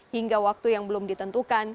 hingga waktu yang belum ditentukan